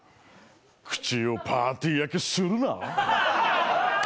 口をパーティー開けするな。